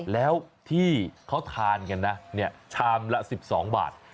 แล้วที่เขาทานกันนะชามละ๑๒บาท